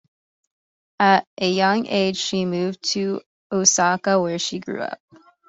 At a young age, she moved to Osaka where she grew up.